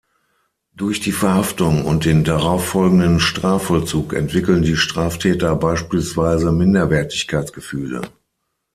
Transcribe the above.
Durch die Verhaftung und den darauffolgenden Strafvollzug entwickeln die Straftäter beispielsweise Minderwertigkeitsgefühle.